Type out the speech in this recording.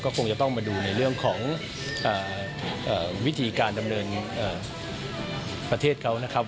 คงจะต้องมาดูในเรื่องของวิธีการดำเนินประเทศเขานะครับ